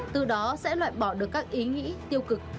từ đó sẽ loại bỏ được các ý nghĩ tiêu cực